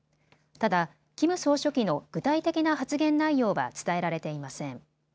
ただ、キム総書記の具体的な発言内容は伝えられていません。